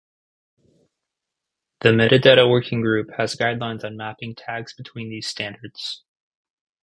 The Metadata Working Group has guidelines on mapping tags between these standards.